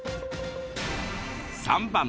３番。